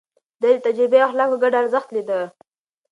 ده د تجربې او اخلاقو ګډ ارزښت ليده.